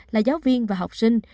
là giáo viên và học sinh